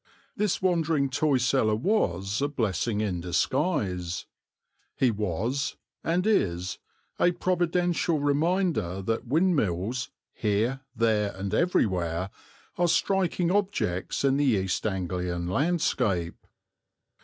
This wandering toy seller was a blessing in disguise. He was, and is, a providential reminder that windmills, here, there, and everywhere, are striking objects in the East Anglian landscape.